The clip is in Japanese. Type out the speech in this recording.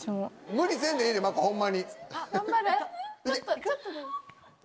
無理せんでええでまこホンマに。